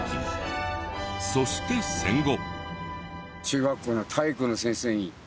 そして戦後。